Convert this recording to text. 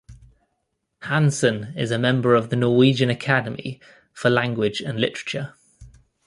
Hansen is a member of the Norwegian Academy for Language and Literature.